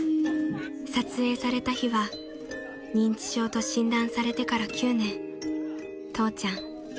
［撮影された日は認知症と診断されてから９年父ちゃん５９歳の誕生日］